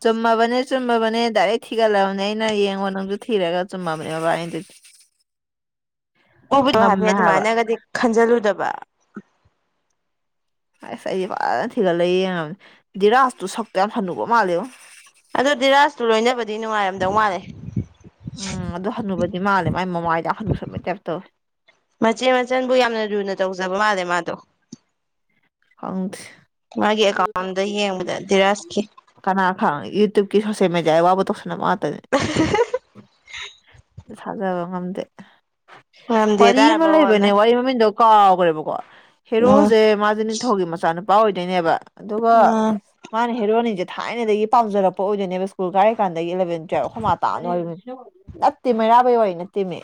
ꯆꯨꯝꯃꯥꯕꯅꯦ ꯆꯨꯝꯃꯥꯕꯅꯦ ꯗꯥꯏꯔꯦꯛ ꯊꯤꯒꯠꯂꯥꯕꯅꯦ ꯑꯩꯅ ꯌꯦꯡꯉꯣ ꯅꯪꯁꯨ ꯊꯤꯔꯒ ꯆꯨꯝꯃꯥꯕꯅꯦ ꯕꯥ ꯑꯩꯗꯨ ꯎꯕꯨꯗꯤ ꯍꯥꯏꯐꯦꯠ ꯍꯥꯏꯕ ꯑꯗꯨꯃꯥꯏꯅꯥꯒꯗꯤ ꯈꯟꯖꯤꯜꯂꯨꯗꯕ ꯑꯥꯁ ꯑꯩꯗꯤ ꯐꯥꯖꯅ ꯊꯤꯒꯠꯂꯦ ꯌꯦꯡꯉꯝꯅꯤ ꯗꯤꯔꯥꯖꯇꯨ ꯁꯛꯇꯨ ꯌꯥꯝ ꯍꯥꯅꯨꯕ ꯃꯥꯜꯂꯤꯉꯣ ꯑꯗꯨ ꯗꯤꯔꯥꯖꯇꯨ ꯂꯣꯏꯅꯥꯕꯗꯤ ꯅꯨꯡꯉꯥꯏꯔꯝꯗꯧ ꯃꯥꯜꯂꯦ ꯑꯝ ꯑꯗꯨ ꯍꯥꯅꯨꯕꯗꯤ ꯃꯥꯜꯂꯦ ꯃꯥꯏ ꯃꯃꯥꯏꯗ ꯍꯅꯨ ꯁꯟꯕꯩ ꯇꯋꯄ ꯇꯧꯋꯦ ꯐꯥꯖꯕ ꯃꯥꯜꯂꯦ ꯃꯥꯗꯣ ꯈꯪꯗꯦ ꯃꯥꯒꯤ ꯑꯦꯀꯥꯎꯟꯗ ꯌꯦꯡꯕꯗ ꯙꯤꯔꯥꯖꯀꯤ ꯀꯂꯥꯞ ꯁꯥꯡꯕꯒꯤ ꯇꯣꯛꯁꯤ ꯁꯣꯁꯦꯜ ꯃꯗꯤꯌꯥꯒꯤ ꯋꯥꯕꯨ ꯇꯧꯁꯤꯟꯅꯕ ꯉꯥꯛꯇꯅꯤ ꯊꯥꯖꯕ ꯉꯝꯗꯦ ꯉꯝꯗꯦ ꯋꯥꯔꯤ ꯑꯃꯥ ꯇꯥꯔꯕ ꯑꯣꯜꯅ ꯂꯩꯕꯅꯦ ꯋꯥꯔꯤ ꯃꯃꯤꯡꯗꯣ ꯀꯥꯎꯒ꯭ꯔꯦꯕꯀꯣ ꯎꯝ ꯍꯦꯔꯣꯁꯦ ꯃꯥꯥꯁꯦ ꯃꯆꯥ ꯅꯨꯄꯥ ꯑꯣꯏꯗꯣꯏꯅꯦꯕ ꯑꯗꯨꯒ ꯎꯝ ꯃꯥꯅ ꯍꯦꯔꯣꯏꯟꯅꯤꯁꯦ ꯊꯥꯏꯅꯗꯥꯒꯤ ꯄꯥꯝꯖꯔꯛꯄ ꯑꯣꯏꯗꯣꯏꯅꯦꯕ ꯏꯁ꯭ꯀꯨꯜ ꯀꯥꯏꯔꯤꯀꯥꯟꯗꯒꯤ ꯏꯂꯥꯚꯦꯟ ꯇꯨꯏꯋꯤꯞ ꯑꯈꯣꯏꯃꯥ ꯇꯥꯕꯅꯤ ꯋꯥꯔꯤ ꯅꯠꯇꯦ ꯃ ꯩꯔꯥꯕꯩ ꯋꯥꯔꯤ ꯅꯠꯇꯦꯃꯤ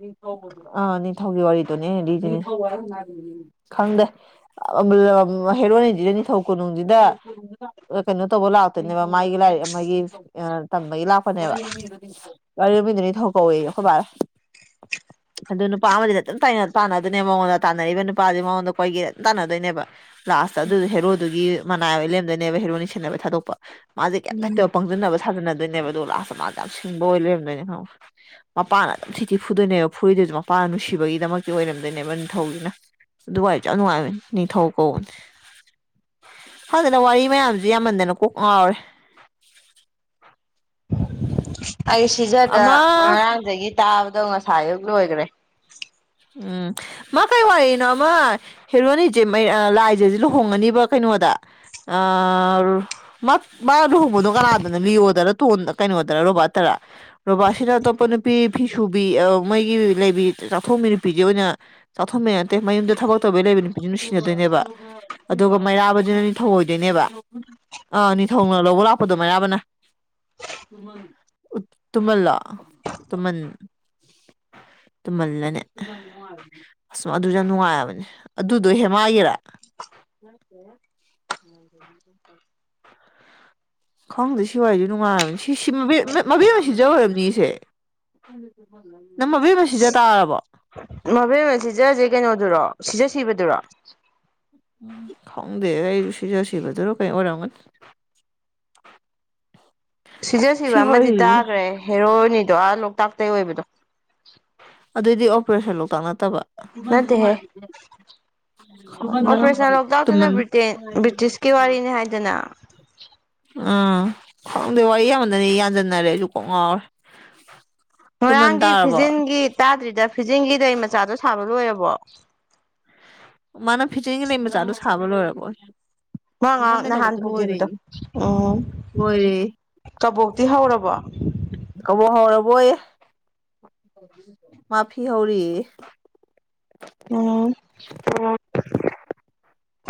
ꯅꯤꯡꯊꯧꯕꯗꯨꯔꯣ ꯑꯥ ꯅꯤꯡꯊꯧꯒꯤ ꯋꯥꯔꯤꯗꯨꯅꯦ ꯑꯩꯅ ꯂꯤꯔꯤꯁꯤ ꯅꯤꯛꯊꯧꯕ ꯍꯥꯕ꯭ꯔꯥ ꯀꯩꯅꯣꯝ ꯍꯥꯏꯕꯅꯦ ꯍꯦꯔꯣꯏꯟꯗꯤ ꯅꯤꯡꯊꯧ ꯀꯣꯅꯨꯡꯗꯨꯗ ꯀꯩꯅꯣ ꯇꯧꯕ ꯂꯥꯛꯄꯅꯦꯕ ꯃꯥꯒꯤ ꯂꯥꯏꯔꯤꯛ ꯃꯥꯒꯤ ꯇꯝꯕꯒꯤ ꯂꯥꯛꯄꯅꯦꯕ ꯋꯥꯔꯤꯕꯨꯗꯤ ꯅꯤꯡꯊꯧ ꯀꯧꯋꯦꯌꯦ ꯑꯈꯣꯏ ꯕꯥꯅ ꯑꯗꯨ ꯅꯨꯄꯥ ꯑꯃꯗꯤ ꯑꯗꯨꯝ ꯇꯥꯟꯅꯗꯣꯏꯅꯦ ꯃꯉꯣꯟꯗꯥ ꯇꯥꯟꯅꯔꯤꯕ ꯅꯨꯄꯥꯁꯦ ꯃꯉꯣꯟꯗ ꯀꯣꯏꯒꯦ ꯇꯥꯟꯅꯗꯣꯏꯅꯦꯕ ꯂꯥꯁꯇ ꯑꯗꯨ ꯍꯦꯔꯣꯗꯨꯒꯤ ꯃꯅꯥꯏ ꯑꯣꯏ ꯂꯩꯔꯝꯗꯣꯏꯅꯦꯕ ꯍꯦꯔꯣꯏꯟꯅꯤꯗꯨ ꯁꯦꯟꯅꯥꯕꯩ ꯊꯥꯗꯣꯛꯄ ꯃꯥꯁꯦ ꯀꯝ ꯂꯩꯇꯦ ꯎꯝ ꯄꯪꯖꯤꯟꯅꯕ ꯁꯥꯁꯤꯟꯅꯗꯣꯏꯅꯦꯕ ꯑꯗꯨꯒ ꯂꯥꯁꯇ ꯃꯥꯁꯦ ꯌꯥꯝ ꯁꯤꯡꯕ ꯑꯣꯏ ꯂꯩꯔꯝꯗꯣꯏꯅꯦ ꯈꯪꯕ꯭ꯔꯥ ꯃꯄꯥꯅ ꯑꯗꯨꯝ ꯊꯤꯊꯤ ꯐꯨꯗꯣꯏꯅꯦꯕ ꯑꯗꯨꯒ ꯃꯄꯥ ꯅꯨꯡꯁꯤꯕꯒꯤꯗꯃꯛ ꯑꯣꯏꯔꯝꯗꯣꯏꯅꯦꯕ ꯅꯤꯡꯊꯧꯁꯤꯅ ꯑꯗꯨꯏ ꯋꯥꯔꯤꯁꯨ ꯌꯥꯝ ꯅꯨꯡꯉꯥꯏꯕꯅꯤ ꯅꯤꯡꯊꯧ ꯀꯧꯕꯅꯦ ꯈꯪꯗꯦꯗ ꯋꯥꯔꯤ ꯃꯌꯥꯝꯁꯤ ꯌꯥꯝꯃꯟꯗꯥꯅ ꯀꯣꯛ ꯉꯥꯎꯔꯦ [inaudible] ꯑꯩ ꯁꯤꯖꯥꯗ ꯑꯃ ꯉꯔꯥꯡꯗꯒꯤ ꯇꯥꯕꯗꯨ ꯉꯁꯥꯏ ꯑꯌꯨꯛ ꯂꯣꯏꯒ꯭ꯔꯦ ꯑꯝ ꯃꯥ ꯀꯩ ꯋꯥꯔꯤꯅꯣ ꯑꯃꯥ ꯍꯦꯔꯣꯅꯤꯁꯦ ꯂꯥꯏꯖꯥꯁꯦ ꯂꯨꯍꯣꯡꯉꯥꯅꯦꯕ ꯀꯩꯅꯣꯗ ꯑꯥ ꯃꯥ ꯂꯨꯍꯣꯡꯕꯗꯣ ꯀꯅꯥꯗꯅꯣ ꯂꯤꯌꯣꯗꯔ ꯇꯣꯟ ꯀꯩꯅꯣꯗꯔꯥ ꯔꯣꯕꯥꯠꯇꯔ ꯔꯣꯕꯥꯠꯁꯤꯅ ꯑꯇꯣꯞꯄꯥ ꯅꯨꯄꯤ ꯐꯤꯁꯨꯕꯤ ꯃꯣꯏꯒꯤ ꯂꯩꯕꯤ ꯆꯥꯛꯊꯣꯛ ꯅꯨꯄꯤ ꯅꯨꯄꯤꯁꯦ ꯑꯣꯏꯅ ꯆꯥꯎꯊꯣꯛꯃꯦ ꯅꯠꯇꯦ ꯃꯌꯨꯝꯗ ꯊꯕꯛ ꯇꯧꯕꯩ ꯂꯩꯕ ꯅꯨꯄꯤꯁ ꯅꯨꯡꯁꯤꯅꯗꯣꯏꯅꯦꯕ ꯑꯗꯨꯒ ꯃꯩꯔꯥꯗꯨꯅꯗꯤ ꯅꯤꯡꯊꯧ ꯑꯣꯢꯗꯣꯢꯅꯦꯕ ꯑꯥ ꯅꯤꯡꯊꯧꯅ ꯂꯧꯕ ꯂꯥꯛꯄꯗꯨꯃꯌꯥꯝꯥꯕꯅ ꯇꯨꯃꯂ ꯇꯨꯃꯟ ꯇꯨꯃꯜꯅꯦ ꯑꯁ ꯑꯗꯨꯁꯨ ꯌꯥꯝ ꯅꯨꯡꯉꯥꯏꯕꯅꯦ ꯑꯗꯨꯗꯣ ꯍꯦꯃꯒꯦꯔꯥ [inaudible] ꯈꯪꯗꯦ ꯁꯤꯋꯥꯏꯁꯨ ꯅꯨꯡꯉꯥꯏꯔꯕꯅꯤ ꯃꯕꯦꯝꯅ ꯁꯤꯖꯧꯔꯕꯅꯤꯁꯦ ꯎꯝꯝ ꯃꯕꯦꯝꯅ ꯁꯤꯖꯁꯦ ꯀꯩꯅꯣꯗꯨꯔꯣ ꯁꯤꯖ ꯁꯤꯕꯗꯨꯔꯣ ꯎꯝ ꯈꯪꯗꯦ ꯑꯩꯁꯨꯨ ꯁꯤꯖ ꯁꯤꯕꯗꯨꯔꯣ ꯀꯩ ꯑꯣꯏꯔꯝꯒꯅꯤ ꯁꯤꯖ ꯁꯤꯕ ꯁꯤ ꯑꯃꯗꯤ ꯋꯥꯔꯤꯁꯦ ꯇꯥꯈ꯭ꯔꯦ ꯍꯦꯔꯣꯏꯅꯤꯗꯣ ꯑ ꯂꯣꯛꯇꯥꯛꯇꯩꯒꯤ ꯑꯣꯏꯕꯗꯣ ꯑꯗꯨꯑꯣꯏꯗꯤ ꯑꯣꯄꯔꯦꯁꯟ ꯂꯣꯛꯇꯥꯛ ꯅꯠꯇꯕ ꯅꯠꯇꯦꯍꯦ ꯑꯣꯄꯔꯦꯁꯟ ꯂꯣꯛꯇꯥꯛꯇꯨꯅ ꯇꯃꯜ ꯕ꯭ꯔꯤꯇꯦꯟ ꯕ꯭ꯔꯤꯇꯤꯁꯀꯤ ꯎꯝ ꯋꯥꯔꯤꯅꯤ ꯍꯥꯏꯗꯅ ꯈꯪꯪꯗꯦ ꯋꯥꯔꯤꯌꯥꯝꯕꯟꯗꯅꯤ ꯌꯥꯟꯁꯤꯟꯅꯔꯦꯁꯨ ꯀꯣꯡ ꯉꯥꯎꯔ ꯃꯣꯏꯔꯥꯡꯒꯤ ꯐꯤꯖꯤꯟꯒꯤ ꯇꯥꯗ꯭ꯔꯤꯗ ꯐꯤꯖꯤꯡꯒꯤꯗ ꯃꯆꯥꯗꯣ ꯁꯥꯕ ꯂꯣꯏꯔꯕꯣ ꯃꯥꯅ ꯐꯤꯆꯤꯡꯒꯤ ꯂꯩ ꯃꯆꯥꯗꯨꯣ ꯁꯥꯕ ꯂꯣꯏꯔꯕꯣꯏ ꯃꯥ ꯉꯍꯥꯛ ꯅꯪꯉꯣꯟꯗꯩ ꯅꯍꯥꯟ ꯂꯧꯕꯗꯣ ꯂꯣꯏꯔꯦ ꯄꯨꯈꯤꯕꯗꯣ ꯎꯝ ꯀꯕꯣꯛꯇꯤ ꯍꯧꯔꯕ ꯀꯕꯣꯛꯍꯣ ꯔꯔꯕꯣ ꯑꯦ ꯃꯥꯐꯤ ꯍꯧꯔꯤ ꯎꯝ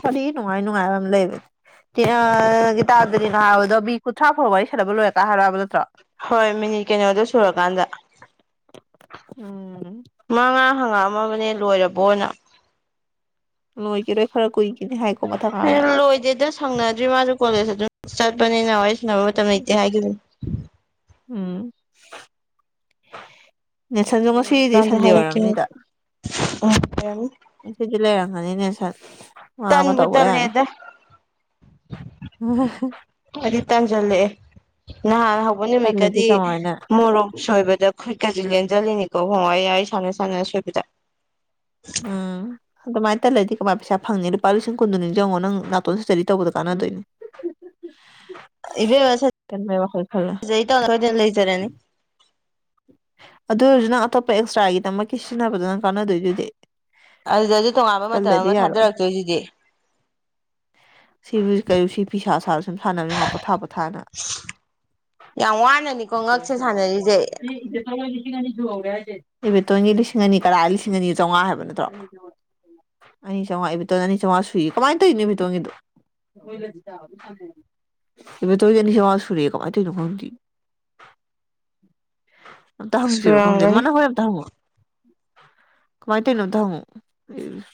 ꯈ ꯅꯅꯨꯡꯉꯥꯏ ꯅꯅꯨꯡꯉꯥꯏꯝ ꯂꯩ ꯒꯤꯇꯥꯥꯟꯖꯂꯤ ꯅ ꯍꯥꯏꯕꯗꯣ ꯃꯤ ꯀꯨꯟꯊ꯭ꯔꯥ ꯐꯥꯎꯕ ꯋꯥꯔꯤ ꯁꯟꯅꯕ ꯂꯣꯏꯔꯒꯍꯥꯏꯔꯛꯑꯣ ꯅꯠꯇ꯭ꯔꯣ ꯍꯣꯏ ꯃꯤꯅꯤꯠ ꯀꯩꯅꯣꯗꯣ ꯁꯨꯔꯀꯥꯟꯗ ꯎꯝ ꯃꯉꯥ ꯍꯪꯉꯛꯑꯝꯃꯕꯅꯦ ꯂꯣꯏꯔꯕ ꯑꯣꯏꯅ ꯂꯣꯏ ꯀꯔꯦ ꯐꯔꯛ ꯑꯣꯏ ꯂꯣꯏꯗꯦꯗ ꯁꯪꯅꯗ꯭ꯔꯤ ꯃꯥꯁꯨ ꯀꯣꯂꯦꯖ ꯑꯗꯨꯝ ꯆꯠꯄꯅꯤꯅ ꯍ ꯅ ꯃꯇꯝꯝ ꯏꯇꯦ ꯍꯥꯏꯒ ꯎꯝ ꯅꯦꯁꯟꯁꯨ ꯉꯁꯤꯗꯤ ꯂꯣꯏꯔꯀꯥꯟꯗ ꯁꯟꯗꯦ ꯍꯥꯏꯔꯛꯀꯦ ꯎꯝ ꯋꯥꯏꯔꯝꯅꯤꯗ ꯑꯣꯏꯔꯝꯅꯤ ꯑꯁꯤꯗꯤ ꯂꯩꯔꯝꯒꯅꯤꯅꯦ ꯁꯟ ꯃꯥ ꯑꯃ ꯇꯟꯕꯨ ꯇꯧꯕ ꯌꯥꯅꯤ ꯇꯜꯂꯦꯗ ꯎꯝ ꯑꯗꯤ ꯇꯥꯟꯖꯂꯦ ꯅꯍꯥꯟ ꯍꯧꯕ ꯇꯜꯂꯗꯤ ꯅꯨꯃꯤꯠꯀꯗꯤ ꯀꯃꯥꯏꯅ ꯃꯣꯔꯣꯛ ꯁꯣꯏꯕꯗ ꯈꯨꯠꯀꯖꯤ ꯂꯤꯅꯤꯀꯣ ꯍꯣꯡꯉ ꯁꯅ ꯁꯅꯁꯕꯤꯗ ꯎꯝ ꯑ ꯍ ꯇꯜꯂꯗꯤ ꯀꯃꯥꯏꯅ ꯄꯩꯁꯥ ꯐꯪꯅꯤ ꯂꯨꯄꯥ ꯂꯤꯁꯤꯡ ꯀꯨꯟꯗꯨꯅꯤ ꯌꯦꯪꯉꯣ ꯅꯪ ꯅꯥꯇꯣꯟ ꯁ꯭ꯇꯗꯤ ꯇꯧꯕꯗꯣ ꯀꯥꯟꯅꯗꯣꯏꯅꯤ ꯀꯟꯕꯩ ꯋꯥꯈꯜ ꯈꯜꯂ ꯏꯕꯦꯁꯇ ꯍꯗ ꯂꯩꯇꯥꯔꯦꯅꯤ ꯑꯗꯨ ꯑꯣꯏꯔꯁꯨ ꯅꯪ ꯑꯇꯣꯞꯄ ꯑꯦꯛꯁꯇ꯭ꯔꯥꯒꯤꯗꯃꯛꯀꯤ ꯁꯤꯖꯤꯟꯅꯕꯗ ꯅꯪ ꯀꯥꯟꯅꯗꯣꯏꯗꯨꯗꯤ ꯑꯗꯨꯗ ꯑꯗꯨ ꯇꯣꯉꯥꯟꯕ ꯃꯇꯝ ꯇꯜꯂꯗꯤ ꯑꯃ ꯌꯥꯔꯣꯏ ꯊꯥꯗꯔꯛꯇꯣꯏꯁꯤꯗꯤ ꯁꯤꯕꯨ ꯀꯩꯅ ꯁꯤ ꯐꯤꯁꯥ ꯁꯥꯥꯁꯨ ꯁꯨꯝ ꯁꯥꯟꯅꯕꯅꯤ ꯄꯣꯊꯥ ꯄꯣꯊꯥꯅ ꯌꯥꯝ ꯋꯥꯅꯅꯤꯀꯣ ꯉꯛꯁꯦ ꯁꯥꯟꯅꯔꯤꯁꯦ ꯏꯕꯦꯇꯣꯟꯒꯤ ꯂꯤꯁꯤꯡ ꯑꯅꯤ ꯀꯔꯥ ꯂꯤꯁꯤꯡ ꯑꯅꯤ ꯆꯥꯝꯃꯉꯥ ꯍꯥꯏꯕ ꯅꯠꯇ꯭ꯔꯣ ꯑꯅꯤ ꯆꯥꯝꯃꯉꯥ ꯏꯕꯇꯜ ꯑꯅꯤ ꯆꯥꯝꯃꯉ ꯁꯏ ꯀꯃꯥꯏꯅ ꯇꯧꯔꯤꯅꯣ ꯕꯤꯇꯣꯟꯒꯤꯗꯨ ꯏ ꯇ ꯌꯥꯅꯤꯁꯤꯦꯋꯥ ꯁꯨꯔ ꯀꯃꯥꯏ ꯇ ꯅ ꯈꯣꯟꯗꯤ [unintelligible] ꯑꯝꯇ ꯍꯪꯁꯤꯔꯛꯣ ꯈꯪꯗꯦ ꯁꯨꯔꯝꯒꯅꯤ ꯃꯅ ꯍꯣꯏ ꯑꯝꯇ ꯍꯪꯉꯣ ꯀꯃꯥꯏꯅ ꯇꯧꯔꯤꯅꯣꯝꯇ ꯍꯪꯉꯛ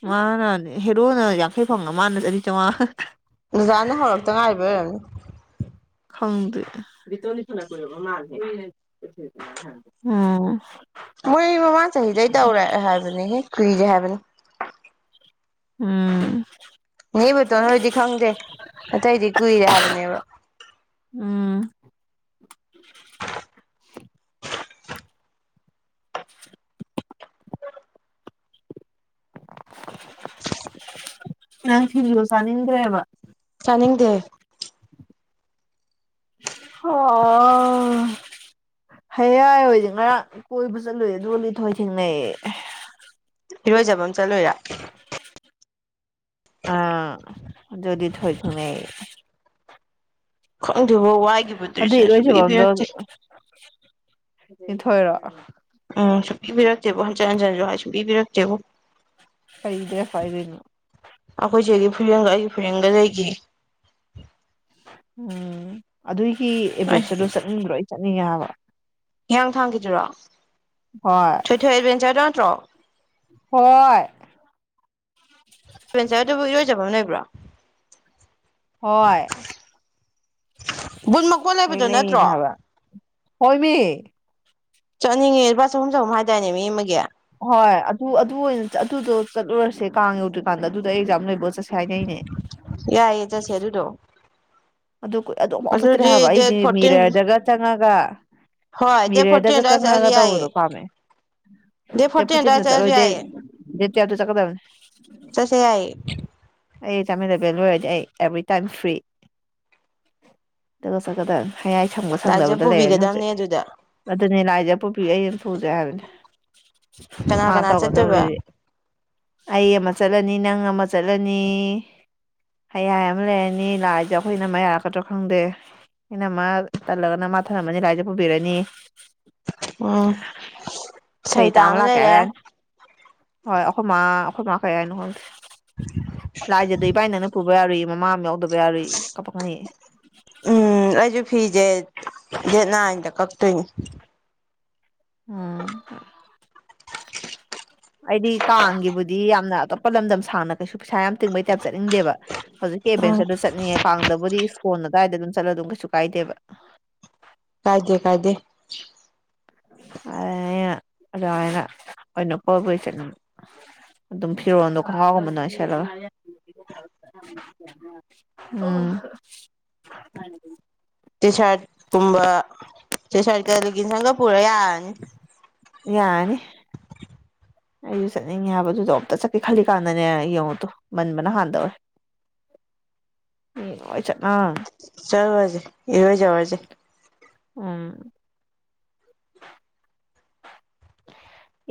ꯃꯥꯅ ꯍꯦꯔꯣꯅ ꯌꯥꯡꯈꯩ ꯐꯪ ꯃꯥꯅ ꯀꯔꯤ ꯆꯃꯥ ꯑꯣꯖꯥꯅ ꯍꯧꯔꯛꯇ ꯉꯥꯏꯔꯤꯕ ꯑꯣꯏꯔꯝꯅꯤ ꯈꯪꯗ ꯃꯣꯏ ꯃꯃꯥꯡ ꯆꯍꯤꯗꯩ ꯇꯧꯔꯦ ꯍꯥꯏꯕꯅꯦꯍꯦ ꯀꯨꯏꯔꯦ ꯍꯥꯏꯕꯅꯤ ꯎꯝ ꯅꯅꯤꯕꯨꯇꯣ ꯅꯣꯏꯗꯤ ꯈꯪꯗꯦ ꯑꯇꯩꯗꯤ ꯀꯨꯏꯔꯦ ꯍꯥꯏꯕꯅꯦꯕ ꯎ ꯅꯪꯁꯤꯤꯜ ꯌꯣꯁ ꯅꯗ꯭ꯔꯦꯕ ꯆꯅꯤꯡꯗ ꯑꯣ ꯍꯌꯥꯏ ꯍꯣꯏꯗꯤ ꯉꯔꯥꯡ ꯀꯣꯏꯕ ꯆꯠꯂꯨꯏꯦ ꯑꯗꯨꯒ ꯂꯤ ꯊꯣꯏ ꯊꯦꯡꯅꯩꯑ ꯏꯔꯣꯏꯖꯕ ꯑꯃ ꯆꯠꯂꯣꯏꯔ ꯑ ꯑꯗꯨꯗꯤ ꯊꯣꯏ ꯊꯃꯦ ꯑꯗꯨꯕꯨ ꯋꯥꯏꯒꯤꯕꯨ ꯑꯗꯨꯏ ꯗ꯭ꯔꯔꯤꯁꯤꯅ ꯁꯨꯝ ꯂꯤꯕꯤꯔꯛꯆꯦ ꯏꯊꯣꯏꯔꯣ ꯎꯝ ꯁ ꯄꯤꯕꯤꯔꯛꯇꯦꯕꯣ ꯍꯟꯖꯤꯟ ꯍꯟꯖꯤꯟꯁꯨ ꯍꯥꯏꯁꯨ ꯄꯤꯕꯤꯔꯛꯇꯦꯕ ꯐꯗꯦ ꯐꯥꯏꯗꯦꯅ ꯑꯩꯈꯣꯏꯁꯦ ꯑꯩꯗꯤ ꯐꯌꯦꯡꯒ ꯑꯩ ꯐꯨꯔꯡꯒ ꯂꯩꯒ ꯎꯝ ꯑꯗꯨꯏꯒꯤ ꯑꯩ ꯑꯦꯚꯦꯟꯆꯔꯗꯣ ꯆꯠꯅꯤꯡꯕ꯭ꯔꯣꯣꯏ ꯆꯠꯅꯤꯡꯉꯦ ꯍꯥꯏꯕ ꯍꯤꯌꯥꯡ ꯊꯥꯡꯈꯤꯗꯔꯣ ꯍꯣꯏ ꯊꯣꯏꯊꯣꯏ ꯑꯦꯗꯚꯦꯟꯆꯔꯗ ꯅꯠꯇ꯭ꯔꯣ ꯍꯣꯏ ꯄꯟꯆꯥꯌꯦꯠꯇꯕꯨ ꯏꯔꯣꯏꯖꯕ ꯑꯃ ꯂꯩꯕ꯭ꯔꯥ ꯍꯣꯏꯣꯏ ꯕꯨꯟ ꯃꯀꯣꯟ ꯂꯩꯕꯗꯣ ꯅꯠꯇ꯭ꯔꯣ ꯂꯩꯌꯦꯅ ꯍꯥꯏꯕ ꯍꯣꯏꯃꯤ ꯆꯠꯅꯤꯡꯉꯦ ꯂꯨꯄꯥ ꯆꯍꯨꯝ ꯆꯍꯨꯝ ꯍꯥꯏꯇꯥꯏꯅꯦ ꯃꯤ ꯑꯃꯒꯤ ꯍꯣꯏ ꯑꯗꯨ ꯑꯗꯨ ꯑꯣꯏꯅ ꯑꯗꯨꯗꯣ ꯆꯠꯂꯨꯔꯁꯦ ꯀꯥꯡ ꯌꯧꯗ꯭ꯔꯤꯀꯥꯟꯗ ꯑꯗꯨꯗ ꯑꯦꯛꯖꯥꯝ ꯂꯩꯕ ꯆꯠꯁꯦ ꯁꯥꯏꯅꯩꯅꯦ ꯌꯥꯏꯌꯦ ꯆꯠꯁꯦ ꯑꯗꯨꯗꯣ ꯑꯗꯨ ꯑꯗꯨꯝꯐꯥꯎ ꯆꯠꯇ꯭ꯔꯦ ꯍꯥꯏꯕ ꯑꯗꯨꯗꯤ ꯑꯩꯗꯤ ꯗꯦꯠ ꯐꯣꯔꯇꯤꯟ ꯃꯤꯔꯗꯒ ꯆꯪꯉꯒ ꯍꯣꯏ ꯗꯦꯠ ꯐꯣꯔꯇꯤꯟ ꯃꯤꯔꯦꯗꯒ ꯑꯗꯨꯋꯥꯏ ꯆꯠꯂꯁꯨ ꯆꯪꯉꯛꯒ ꯇꯧꯕꯗꯣ ꯌꯥꯏꯌꯦ ꯄꯥꯝꯃꯦ ꯗꯦꯠ ꯇ ꯐꯣꯔꯇꯤꯟ ꯄꯨꯊꯗ ꯑꯗꯨꯋꯥꯏ ꯅ ꯆꯂꯣ ꯆꯠꯂꯁꯨ ꯌꯥꯏꯌꯦ ꯆ ꯇ ꯆꯀꯗꯕ ꯆꯠꯁꯦ ꯌꯥꯏꯌꯦ ꯑꯩ ꯆꯥꯝꯃꯟꯂꯕꯦꯜ ꯂꯣꯏꯔꯗꯤ ꯑꯩ ꯑꯦꯕ꯭ꯔꯤꯇꯥꯏꯝ ꯐ꯭ꯔꯤ ꯑꯗꯨꯒ ꯆꯠꯀꯗꯅꯤ ꯍꯌꯥꯏ ꯁꯪꯕ ꯂꯥꯏꯖ ꯁꯪꯗꯕꯗ ꯂꯩꯔꯅꯤ ꯍꯧꯖꯤꯛ ꯄꯨꯕꯤꯒꯗꯕꯅꯦ ꯑꯗꯨꯗ ꯑꯗꯨꯅꯤ ꯂꯥꯏꯁꯦ ꯑꯄꯄꯤ ꯑꯩ ꯑꯃ ꯊꯨꯖꯦ ꯍꯥꯏꯕꯅꯤ ꯀꯅꯥ ꯃꯥ ꯀꯅꯥ ꯇꯒꯣ ꯇ ꯆꯠꯇꯣꯏꯕ ꯍꯗꯗꯤ ꯑꯩ ꯑꯃ ꯆꯠꯂꯅꯤ ꯅꯪ ꯑꯃ ꯆꯠꯂꯅꯤ ꯍꯌꯥꯏ ꯑꯃ ꯂꯩꯔꯅꯤ ꯂꯥꯏꯖꯧ ꯑꯩꯈꯣꯏꯅ ꯑꯃ ꯌꯥꯔꯛꯀꯗ꯭ꯔꯣ ꯈꯪꯗꯦ ꯑꯩꯅꯃ ꯇꯜꯂꯒꯅ ꯃꯥ ꯊꯝꯂꯝꯝꯃꯅꯤ ꯂꯥꯏꯔꯤꯁꯦ ꯄꯨꯕꯤꯔꯅꯤ ꯎꯝ ꯁꯩ ꯀ ꯁꯩꯇꯥ ꯑꯃ ꯑꯃꯂ ꯂꯩꯔꯦ ꯀꯦꯔꯅꯤ ꯍꯣꯏ ꯑꯩꯈꯣꯏ ꯃꯥ ꯑꯩꯈꯣꯏ ꯃꯥ ꯀꯩ ꯍꯥꯏꯅꯣ ꯈꯪꯗꯦ ꯂꯥꯏꯖꯗꯣꯏ ꯏꯕꯥꯏꯅꯅ ꯄꯨ ꯌꯥ ꯌꯥꯔꯨꯏ ꯃꯃꯥ ꯑꯃ ꯌꯥꯎꯗꯕ ꯌꯥꯔꯣꯏꯏ ꯀꯄꯛ ꯉꯅꯤ ꯎꯝ ꯑꯩꯁꯨ ꯐꯤꯁꯦ ꯌꯦꯦꯠꯅꯥ ꯍꯥꯏꯟꯗ ꯀꯛꯇꯣꯏꯅꯦ ꯎꯝ ꯑꯩꯗꯤ ꯀꯥꯡꯒꯤꯕꯨꯗꯤ ꯌꯥꯝꯅ ꯑꯇꯣꯞꯄ ꯂꯝꯗꯝ ꯁꯥꯡꯅ ꯀꯩꯁꯨ ꯄꯩꯁꯥ ꯌꯥꯝ ꯇꯤꯡꯕꯩ ꯇꯥꯏꯞ ꯆꯠꯅꯤꯡꯗꯦꯕ ꯍꯧꯖꯤꯛꯀꯤ ꯎꯝ ꯑꯦꯚꯦꯟꯆꯔꯗꯨ ꯆꯠꯅꯤꯡꯉꯦ ꯀꯥꯡꯗꯕꯨꯗꯤ ꯐꯣꯟ ꯑꯗꯨꯗꯥꯋꯥꯏꯗ ꯑꯗꯨꯝ ꯆꯠꯂ ꯑꯗꯨꯝ ꯀꯩꯁꯨ ꯀꯥꯏꯗꯦꯕ ꯀꯥꯏꯗꯦ ꯀꯥꯏꯗꯦ ꯑ ꯔꯥꯏꯅꯥ ꯑꯣ ꯑꯣꯏꯅꯄꯕꯨ ꯆ ꯑꯗꯨꯝ ꯐꯤꯔꯣꯟꯜꯗꯣ ꯈꯍꯥꯎꯝꯕꯅꯦꯂꯒ ꯎꯝ ꯇꯁꯥꯠ ꯀꯨꯝꯕ ꯆꯁꯥꯠ ꯀ ꯁꯪꯒ ꯌꯥꯅꯦ ꯑꯩꯁꯨ ꯆꯠꯅꯤꯡꯉꯦ ꯍꯥꯏꯕꯗꯨꯗꯣ ꯑꯝꯇ ꯆꯠꯀꯦ ꯈꯜꯂꯤꯀꯥꯟꯗꯅꯦ ꯌꯦꯡꯉꯨꯗꯣ ꯃꯟꯕꯅ ꯍꯥꯟꯅ ꯑꯣꯏꯦ [unintelligible] ꯎꯝ ꯍꯣꯏ ꯆꯠꯅ ꯆꯂꯁꯦ ꯏꯍꯖ ꯑꯋꯥꯁꯦ ꯎꯝ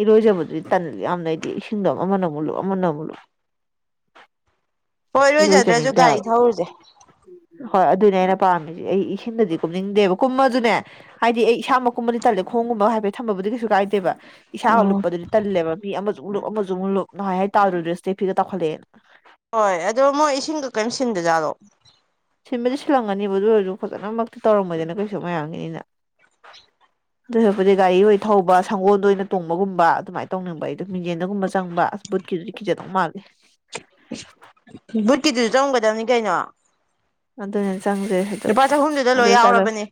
ꯏꯔꯣꯏꯖꯕꯗꯨꯗꯤ ꯇꯥꯟꯅ ꯌꯥꯝꯅ ꯑꯩꯗꯤ ꯏꯁꯤꯡꯗꯣ ꯑꯃꯅ ꯃꯨꯜꯂꯨꯎ ꯑꯃꯅ ꯃꯨꯜꯂꯨ ꯍꯣꯏ ꯂꯣꯏꯖꯗ꯭ꯔꯁꯨ ꯒꯥꯔꯤ ꯍꯥꯏꯕ ꯊꯧꯔꯨꯁꯦ ꯍꯣꯏ ꯑꯗꯨꯅꯦ ꯑꯩꯅ ꯄꯥꯝꯃꯤꯁꯦ ꯑꯩ ꯏꯁꯤꯡꯗꯗꯤ ꯀꯨꯝꯅꯤꯡꯗꯦꯕ ꯀꯨꯝꯃ ꯑꯗꯨꯅꯦ ꯍꯥꯏꯗꯤ ꯑꯩ ꯏꯁꯥꯃꯛ ꯀꯨꯝꯕꯗꯤ ꯇꯥꯂꯦ ꯈꯣꯡ ꯨꯝ ꯍꯥꯏꯐꯦꯠ ꯊꯝꯕꯕꯨꯗꯤ ꯀꯩꯁꯨ ꯀꯥꯏꯗꯦꯕ ꯏꯁꯥꯒ ꯂꯨꯞꯞꯄꯗꯨꯗꯤ ꯇꯜꯂꯦꯕ ꯃꯤ ꯑꯃ ꯇꯨꯡꯂꯨꯞꯞ ꯑꯃꯁꯨꯡꯨꯨꯡꯨꯂꯨꯞ ꯅ ꯍꯥꯏ ꯇꯥꯔꯣꯗ꯭ꯔꯦ ꯏꯁꯇꯦ ꯐꯤꯒꯥꯎꯠꯂꯛꯦꯅ ꯍꯣꯏ ꯑꯗꯣ ꯃꯣꯏ ꯏꯁꯤꯡꯒ ꯀꯩꯅꯝ ꯁꯤꯟꯗꯖꯥꯠꯂꯣ ꯁꯤꯟꯃꯗꯤ ꯁꯤꯜꯂꯝꯒꯅꯤꯕ ꯑꯗꯨ ꯑꯣꯏꯔꯁꯨ ꯐꯖꯅꯃꯛꯇꯤ ꯇꯧꯔꯝꯃꯣꯏꯗꯅ ꯀꯩꯁꯨ ꯃꯌꯥꯝꯒꯤꯅꯤꯅ ꯑꯗꯨ ꯍꯥꯏꯄꯗꯤ ꯒꯥꯔꯤ ꯑꯣꯏꯅ ꯊꯧꯕ ꯁꯪꯒꯣꯜꯗ ꯑꯣꯏꯅ ꯇꯣꯡꯕꯒꯨꯝꯕ ꯑꯗꯨꯃꯥꯏꯅ ꯇꯧꯅꯤꯡꯕ ꯑꯩꯗꯣ ꯃꯤꯡꯖꯦꯟꯗꯒꯨꯝꯕ ꯆꯪꯕ ꯕꯨꯠꯈꯤ ꯈꯈꯤꯖꯗ ꯃꯥꯦ ꯕꯨꯠꯀꯤꯗꯨꯁꯨ ꯆꯪꯒꯗꯕꯅꯤ ꯀꯩꯅꯣ ꯑꯗꯨꯅꯦ ꯆꯪꯗ꯭ꯔꯦ ꯁꯤꯗ ꯂꯨꯄꯥ ꯆꯍꯨꯝꯗꯨꯗ ꯑꯗꯨ ꯂꯣꯏ ꯌꯥꯎꯔꯕꯅꯦ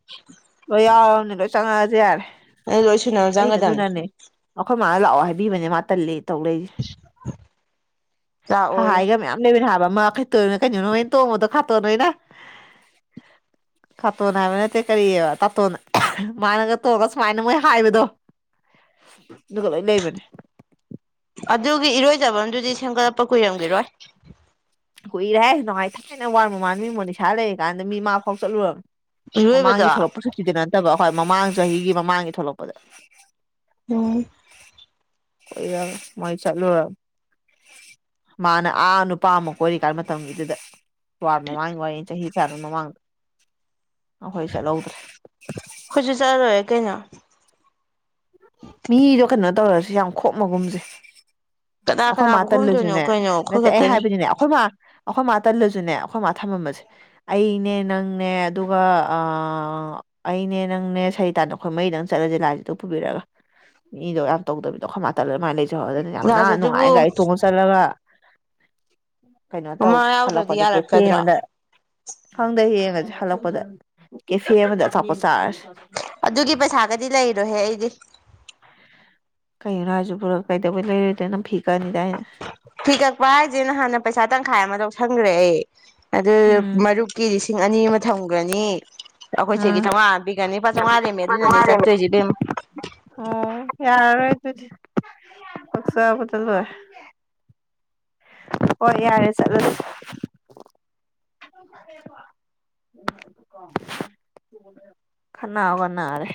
ꯂꯣꯏ ꯌꯥꯎꯔꯕꯅꯤ ꯂꯣꯏ ꯆꯪꯉꯛꯑꯗꯤ ꯑꯗꯨ ꯂꯣꯏ ꯁꯨꯅꯕ ꯑꯩꯅ ꯆꯪꯒꯗꯕꯅꯤ ꯑꯗꯨꯅꯅꯦ ꯑꯩꯈꯣꯏ ꯃꯥꯅ ꯂꯥꯛꯑꯣ ꯍꯥꯏꯕꯤꯕꯅꯦ ꯃꯥ ꯇꯜꯂꯤ ꯇꯧ ꯂꯩ ꯂꯥꯛꯑꯣꯏ ꯍꯥꯏꯒ ꯃꯌꯥꯝ ꯂꯩꯕ ꯃꯥ ꯈꯈꯤꯠꯇꯣꯏꯔ ꯀꯩꯅꯅ ꯇꯧ ꯃꯗꯨ ꯈꯥꯣ ꯅꯅꯅ [unintelligible] ꯈꯥꯇꯣꯟ ꯍꯥꯏꯕ ꯅꯠꯇꯦ ꯀꯔꯤ ꯇꯥꯇꯣꯟ ꯃꯥꯅꯒ ꯇꯣꯟꯉꯒ ꯁꯨꯃꯥꯏꯅ ꯃꯣꯏ ꯍꯥꯏꯕꯗꯣ ꯑꯗꯨꯒ ꯂꯣꯏ ꯂꯩꯕꯅꯦ ꯑꯗꯨꯒꯤ ꯏꯔꯣꯏꯖꯕꯗꯨꯗꯤ ꯁꯦꯝꯒꯠꯂꯛꯄ ꯀꯨꯏꯔꯝꯒꯦꯔꯣꯏ ꯀꯨꯏꯔꯦ ꯍꯥꯏ ꯅꯨꯡꯥꯏ ꯊꯥꯏꯅ ꯋꯥ ꯃꯃꯥꯟ ꯃꯤ ꯃꯣ ꯅꯤꯁꯥ ꯂꯩꯔꯤꯀꯥꯟꯗ ꯃꯤ ꯃꯥ ꯐꯥꯎ ꯆꯠꯂꯨꯔꯕꯅꯤ ꯏꯔꯣꯏꯕꯗꯣ ꯃꯃꯥꯡꯒꯤ ꯊꯣꯛꯂꯛꯄ ꯁꯨꯛꯇꯤꯗ ꯅꯠꯇꯕ ꯍꯣꯏ ꯃꯃꯥꯡ ꯆꯍꯤꯒꯤ ꯃꯃꯥꯡꯒꯤ ꯊꯣꯛꯂꯛꯄꯗ ꯎꯝ ꯑꯩꯈꯣꯏꯁꯨ ꯀ ꯌꯥ ꯃꯣꯏ ꯆꯂ ꯃꯥꯅꯦ ꯑꯅꯨꯄꯥꯃ ꯀꯣꯔꯤ ꯀꯥꯏ ꯃꯇꯝꯒꯤꯗꯨꯗ ꯋꯥ꯭ꯔ ꯃꯃꯥꯡꯒꯤ ꯋꯥ ꯆꯍꯤ ꯇꯥꯔ ꯃꯃꯥꯡꯗ ꯑꯩꯈꯣꯏ ꯆꯠꯍꯗ꯭ꯔꯦ ꯆꯠꯂꯔꯣꯏꯔꯦ ꯀꯩꯅꯣ ꯃꯤꯗꯣ ꯀꯩꯅꯣ ꯇꯧꯔꯁꯨ ꯌꯥꯝ ꯈꯣꯛꯃꯒꯨꯝꯁꯦ ꯀꯅꯥ ꯑꯩꯈꯣꯏ ꯃꯥ ꯀꯅꯥꯕꯨ ꯈꯣꯝꯗꯣꯏꯅꯣ ꯇꯜꯂꯨꯁꯨꯅꯦ ꯀꯩꯅꯣ ꯑꯩꯈꯣꯏ ꯅꯠꯇꯦ ꯑꯩ ꯈꯛꯇꯅꯤ ꯍꯥꯏꯕꯗꯨꯅꯦ ꯑꯩꯈꯣꯏ ꯃꯥ ꯑꯩꯈꯣꯏ ꯃꯥ ꯇꯜꯂꯁꯨꯅꯦ ꯑꯩꯈꯣꯏ ꯃꯥ ꯊꯝꯃꯝꯕꯁꯦ ꯑꯩꯅꯦ ꯅꯪꯅꯦ ꯑꯗꯨꯒ ꯑꯩꯅꯦ ꯅꯪꯅꯦ ꯁꯍꯤ ꯇꯥꯟꯗ ꯑꯩꯈꯣꯏ ꯃꯔꯤꯗꯪ ꯆꯠꯂꯁꯦ ꯂꯥꯏꯁꯤꯗ ꯄꯨꯕꯤꯔꯒ ꯏꯗꯣ ꯌꯥꯝ ꯇꯧꯗꯕꯤꯗꯣꯈꯣꯏ ꯃꯥ ꯇꯥ ꯂꯩꯂꯦ ꯃꯥꯏ ꯂꯩꯖꯩ ꯍꯣꯏ ꯅ ꯂꯥꯏꯁꯦ ꯑꯗꯨꯕꯨ ꯅꯨꯡꯉꯥꯏꯒꯔꯤ ꯊꯣꯡꯉ ꯆꯠꯂꯒ ꯀꯩꯅꯣ ꯃꯃꯥ ꯇꯧꯁꯦ ꯌꯥꯎꯗ꯭ꯔꯗꯤ ꯍꯜꯂꯛꯄꯗ ꯀꯦꯊꯦꯝ ꯌꯥꯔꯛꯀꯗ꯭ꯔꯣ ꯑꯃꯗ ꯈꯪꯗꯦ ꯌꯦꯡꯉꯁꯤ ꯍꯜꯂꯛꯄꯗ ꯀꯦꯐꯦ ꯑꯃꯗ ꯑꯆꯥꯄꯠ ꯆꯥꯔꯁꯤꯦ ꯑꯗꯨꯒꯤ ꯄꯩꯁꯥꯒꯗꯤ ꯂꯩꯔꯣꯏꯍꯦ ꯑꯩꯗꯤ ꯀꯩꯅꯣ ꯍꯥꯏꯁꯨ ꯄꯨꯔ ꯀꯩꯗꯧꯕꯩ ꯂꯩꯔꯣꯏꯗꯣꯏ ꯅꯝ ꯐꯤ ꯀꯛꯑꯅꯤꯗꯥ ꯍꯥꯏꯅ ꯐꯤ ꯀꯛꯄ ꯍꯥꯏꯁꯦ ꯅꯍꯥꯟꯅ ꯄꯩꯁꯥ ꯇꯪꯈꯥꯏ ꯑꯃꯗꯧꯁꯪꯈ꯭ꯔꯦ ꯑꯩ ꯑꯗꯨ ꯎꯝ ꯃꯔꯨꯞꯀꯤ ꯂꯤꯁꯤꯡ ꯑꯅꯤ ꯑꯃ ꯊꯝꯈ꯭ꯔꯅꯤ ꯑꯩꯈꯣꯏꯁꯤꯒꯤ ꯑꯥ ꯆꯥꯝꯃꯉꯥꯕꯤꯒ ꯅꯤꯄꯥ ꯆꯥꯃꯉꯥ ꯂꯦꯝꯃꯦ ꯑꯗꯨꯅꯅꯦ ꯆꯠꯇꯣꯏꯁꯤꯦ ꯑꯗꯨꯝ ꯗꯤ ꯀꯁꯥꯕꯗꯂꯦ ꯍꯣꯏ ꯌꯥꯔꯦ ꯆꯠꯂꯁꯤ ꯈꯅꯥꯒꯅꯥꯔꯦ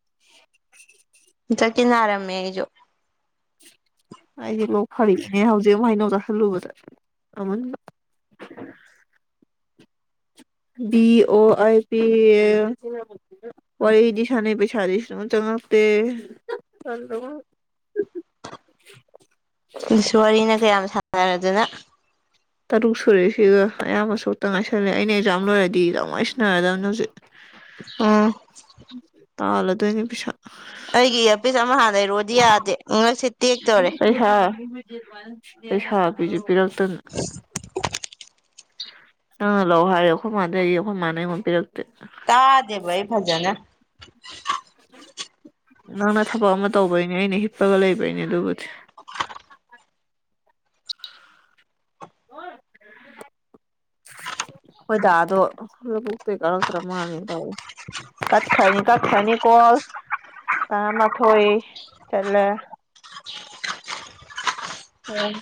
[inaudible] ꯏꯇ ꯀꯅ ꯑꯔꯝꯃꯦꯃꯦ ꯍꯥꯏꯁꯨꯣ ꯑꯩꯁ ꯂꯣꯛ ꯐꯔꯤꯁꯤꯅꯦ ꯍꯧꯖꯤꯛ ꯑꯃꯨ ꯍꯥꯏꯩꯅꯧ ꯆꯥꯥꯁꯜꯂꯨꯕꯗ ꯑꯃꯅꯤ [unintelligible] [inaudible] ꯕꯤ ꯑꯣ ꯑꯥꯏ ꯄꯤ ꯑꯦ ꯋꯥꯔꯤꯗꯤ ꯁꯥꯟꯅ ꯄꯩꯁꯥꯗꯤꯁ ꯆꯪ ꯣ [unintelligible] [inaudible] ꯁ ꯋꯥꯔꯤꯅ ꯀꯌꯥꯝ ꯁꯥꯟꯅꯔꯗꯨꯅ ꯇꯔꯨꯛ ꯁꯨꯔꯦꯁꯤꯒ ꯑꯌꯥꯝꯕ ꯁꯣꯛꯇ ꯉꯥꯏꯁꯜꯂꯦ ꯑꯩꯅ ꯑꯦꯛꯖꯥꯝ ꯂꯣꯏꯔꯗꯤ ꯌꯥꯝꯉꯥꯏ ꯁꯟꯅꯔꯗꯕꯅꯤ ꯍꯧꯖꯤꯛ ꯑꯥ [inaudible] ꯇꯥꯂꯗꯣꯏꯅꯤ ꯄꯕꯤꯁ ꯏꯌꯥꯔꯄꯤꯁ ꯑꯃ ꯍꯥꯟꯅ ꯂꯩꯔꯣꯗꯤ ꯌꯥꯗꯦ ꯉꯛꯁꯦ ꯇꯦꯛꯇꯧꯔꯦ ꯄꯩꯁꯥ ꯄꯩꯁꯥ ꯄ ꯄꯤꯔꯛꯇꯅ ꯑꯪ ꯂ ꯍꯥꯏꯔ ꯑꯩꯈꯣꯏ ꯃꯥꯟꯅꯩꯌꯦ ꯑꯩꯈꯣꯏ ꯃꯥꯟꯅꯩ ꯑꯃ ꯄꯤꯔꯛꯇꯦ ꯇꯥꯗꯦꯕꯏ ꯐꯖꯅ ꯅꯪꯅ ꯊꯕꯛ ꯑꯃ ꯇꯧꯕꯩꯅꯦ ꯑꯩꯅ ꯍꯤꯞꯄꯒ ꯂꯩꯕꯩꯅꯦ ꯑꯗꯨꯕꯨꯗꯤ [unintelligible] [inaudible] ꯍ [unintelligible] [inaudible] ꯍꯣꯏꯗ ꯑꯗꯣ ꯀꯔꯛꯇ꯭ꯔ ꯃꯥꯅꯤ ꯇ ꯀ ꯈꯅꯤ ꯀ ꯈꯅꯤꯣ ꯇꯔꯥꯃꯊꯣꯏ ꯆꯠꯂ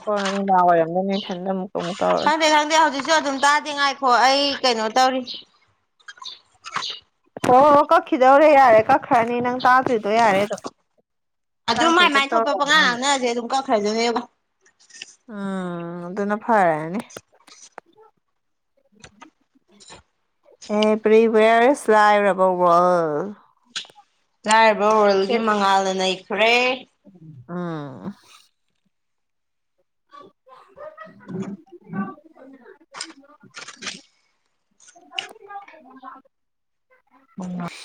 ꯍ ꯂ ꯑꯣꯏꯔ ꯆ [inaudible] ꯈꯪꯗꯦ ꯈꯪꯗꯦ ꯍꯧꯖꯤꯛꯁꯨ ꯑꯗꯨꯝ ꯇꯥꯗꯦꯉꯥꯏꯈꯣ ꯑꯩ ꯀꯩꯅꯣ ꯇꯧꯔꯤ ꯍꯣꯏ ꯍꯣꯏ ꯀꯛꯈꯤꯗꯧꯔꯦ ꯌꯥꯔꯦ ꯀꯛꯈ꯭ꯔꯅꯤ ꯅꯪ ꯇꯥꯗ꯭ꯔꯤꯗꯣ ꯌꯥꯔꯦ ꯑꯗꯣ ꯑꯗꯨꯝ ꯃꯥꯏ ꯇꯥꯏꯊꯣꯏ ꯃꯥꯏ ꯊꯣꯛꯄ ꯆꯠꯇꯔ ꯄꯉꯥꯡ ꯎꯝ ꯉꯥꯡꯅꯔꯁꯦ ꯑꯗꯨꯝ ꯀꯛꯈ꯭ꯔꯁꯅꯦꯕ ꯎꯝ ꯑꯗꯨꯅ ꯐꯔꯦꯅꯦ ꯎꯝ ꯑꯦ ꯄꯔꯤꯕꯔꯁꯂꯥꯏꯕ꯭ꯔ ꯄꯥꯎꯕ꯭ꯔꯣ ꯂꯥꯏꯔꯕ ꯑꯣꯔꯦꯜꯒꯤ ꯃꯉꯥꯜꯅ ꯅꯩꯈ꯭ꯔꯦ ꯑꯥ [unintelligible] [inaudible] [unintelligible] [inaudible] [unintelligible] [inaudible] ꯎ [unintelligible] [inaudible]